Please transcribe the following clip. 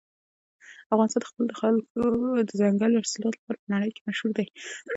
افغانستان د خپلو دځنګل حاصلاتو لپاره په نړۍ کې مشهور دی.